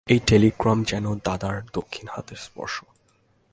এই টেলিগ্রামের যেন দাদার দক্ষিণ হাতের স্পর্শ।